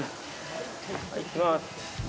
行きます。